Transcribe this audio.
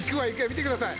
見てください。